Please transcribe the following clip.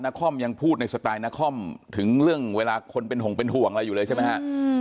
คอมยังพูดในสไตล์นครถึงเรื่องเวลาคนเป็นห่วงเป็นห่วงอะไรอยู่เลยใช่ไหมฮะ